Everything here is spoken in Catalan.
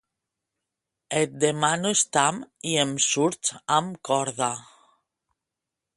Et demano estam i em surts amb corda.